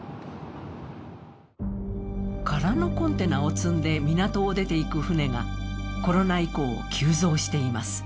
空のコンテナを積んで港を出ていく船がコロナ以降急増しています。